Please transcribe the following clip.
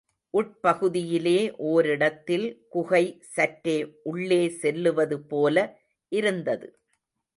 உட்பகுதியிலே ஓரிடத்தில் குகை சற்றே உள்ளே செல்லுவது போல இருந்தது.